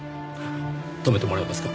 止めてもらえますか。